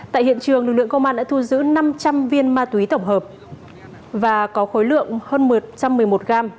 tại hiện trường lực lượng công an đã thu giữ năm trăm linh viên ma túy tổng hợp và có khối lượng hơn một trăm một mươi một g